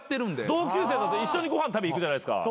同級生だと一緒にご飯食べに行くじゃないですか。